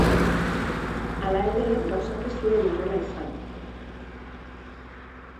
Hala ere, gauzak ez ziren horrela izan.